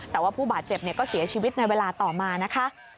แต่ว่าผู้บาดเจ็บก็เสียชีวิตในเวลาต่อมานะคะ